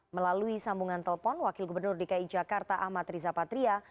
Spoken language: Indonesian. melalui sambungan telpon wakil gubernur dki jakarta ahmad riza patria